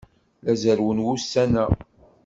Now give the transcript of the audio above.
La zerrwen ussan-a.